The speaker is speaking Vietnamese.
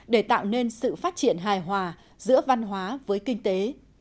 để tạo nên sự phát triển hài hòa giữa văn hóa với kinh tế